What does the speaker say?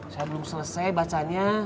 saya belum selesai bacanya